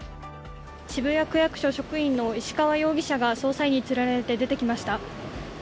渋谷区役所職員の石川容疑者が捜査員に連れられて出てきました。